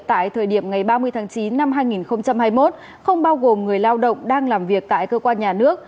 tại thời điểm ngày ba mươi tháng chín năm hai nghìn hai mươi một không bao gồm người lao động đang làm việc tại cơ quan nhà nước